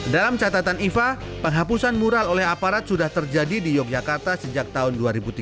dalam catatan iva penghapusan mural oleh aparat sudah terjadi di yogyakarta sejak tahun dua ribu tiga belas